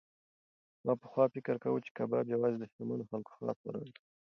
ما پخوا فکر کاوه چې کباب یوازې د شتمنو خلکو خاص خوراک دی.